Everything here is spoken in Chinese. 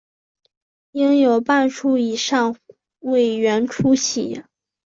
应有半数以上委员出席